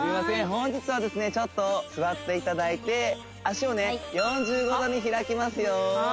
本日はですねちょっと座っていただいて脚をね４５度に開きますよ